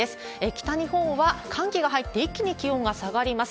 北日本は寒気が入って一気に気温が下がります。